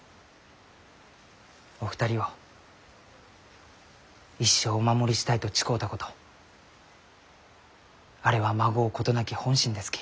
お二人を一生お守りしたいと誓うたことあれはまごうことなき本心ですき。